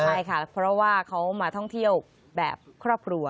ใช่ค่ะเพราะว่าเขามาท่องเที่ยวแบบครอบครัว